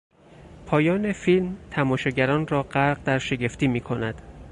پایان فیلم تماشاگران را غرق در شگفتی میکند.